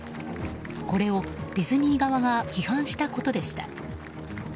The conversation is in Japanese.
これをディズニー側が批判したことでした。